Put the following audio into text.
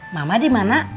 mama di mana